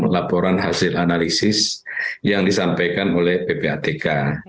satu ratus sembilan puluh enam laporan hasil analisis yang disampaikan oleh ppatk